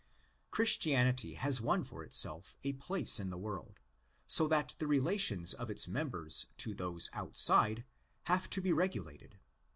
Christianity has won for itself a place in the world, so that the relations of its members to those outside have to be regulated (vi.